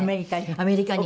アメリカに？